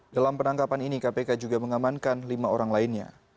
dalam penangkapan ini kpk juga mengamankan lima orang lainnya